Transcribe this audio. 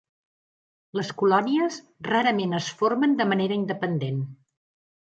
Les colònies rarament es formen de manera independent.